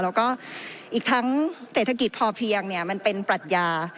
แล้วก็อีกทั้งเศรษฐกิจพอเพียงมันเป็นปรัชญา